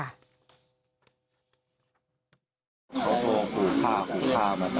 พระโทขุฆ่าขุวฆ่าขุวฆ่ามาซะดีกันครับ